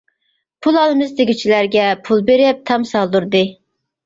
پۇل ئالىمىز دېگۈچىلەرگە پۇل بېرىپ تام سالدۇردى.